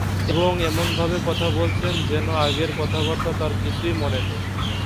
এবং এমনভাবে কথা বলছেন, যেন আগের কথাবার্তা তাঁর কিছুই মনে নেই।